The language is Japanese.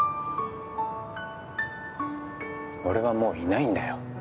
俺はもういないんだよ。